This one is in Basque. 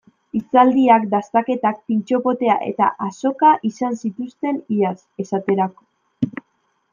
Hitzaldiak, dastaketak, pintxo potea eta azoka izan zituzten iaz, esaterako.